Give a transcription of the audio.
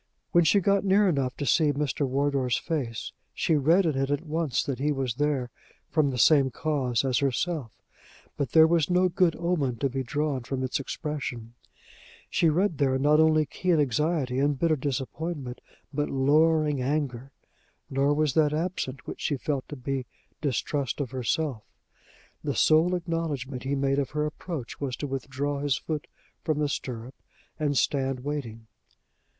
When she got near enough to see Mr. Wardour's face, she read in it at once that he was there from the same cause as herself; but there was no good omen to be drawn from its expression: she read there not only keen anxiety and bitter disappointment, but lowering anger; nor was that absent which she felt to be distrust of herself. The sole acknowledgment he made of her approach was to withdraw his foot from the stirrup and stand waiting.